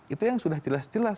itu yang sudah jelas jelas